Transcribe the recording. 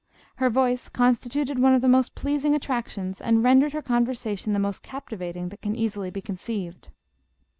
Her voice constituted one of the most pleasing attractions and rendered her conversation the* most captivating that can easily be conceived."